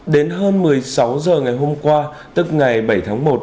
đến hơn một mươi sáu h ngày hôm qua tức ngày bảy tháng một